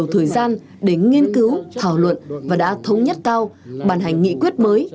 thời gian để nghiên cứu thảo luận và đã thống nhất cao bàn hành nghị quyết mới